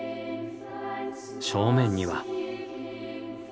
正面には。